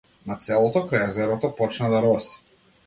Над селото крај езерото почна да роси.